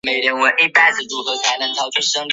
这次寒流因北极震荡发生而引起。